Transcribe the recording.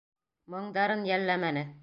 Моңдарын йәлләмәне.